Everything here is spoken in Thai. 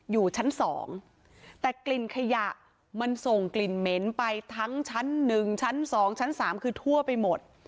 อยู่ชั้น๒แต่กลิ่นขยะมันส่งกลิ่นเหม็นไปทั้งชั้น๑ชั้น๒ชั้น๓คือทั่วไปหมด